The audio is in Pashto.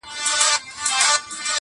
د کور ټول غړي چوپ دي او وېره لري,